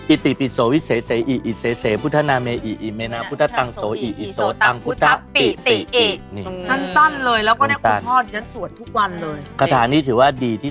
อิติปิโศวิเซเซอีอิเซเซพุทธนาเมอิอิเมนาพุทธตังโสอิอิโศตังพุทธปิติอิ